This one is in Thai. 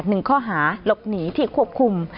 หนึ่งข้อหาหลบหนีที่ควบคุม